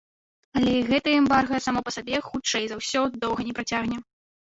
Але і гэтае эмбарга само па сабе, хутчэй за ўсё, доўга не працягне.